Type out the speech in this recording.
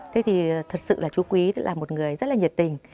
thế thì thật sự là chú quý là một người rất là nhiệt tình